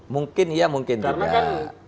mungkin ya mungkin karena kan